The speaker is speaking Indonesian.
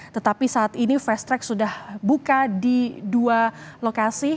tetapi saat ini fast track sudah buka di dua lokasi